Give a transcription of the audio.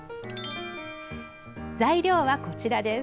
材料はこちらです。